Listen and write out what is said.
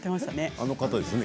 あの方ですよね